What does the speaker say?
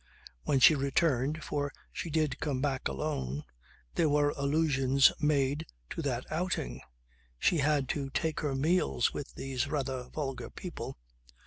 When she returned, for she did come back alone, there were allusions made to that outing. She had to take her meals with these rather vulgar people.